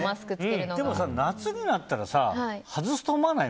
でも夏になったら外すと思わない？